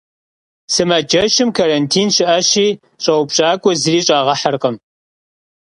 Sımaceşım karantin şı'eşi, ş'eupş'ak'ue zıri ş'ağeherkhım.